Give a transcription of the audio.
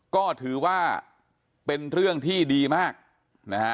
ก็ถือว่าเป็นเรื่องที่ดีมากนะฮะ